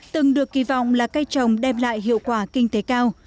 từng được kỳ vọng là cây trồng đem lại hiệu quả kinh tế cao